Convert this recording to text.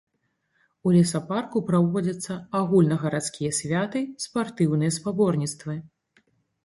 У лесапарку праводзяцца агульнагарадскія святы, спартыўныя спаборніцтвы.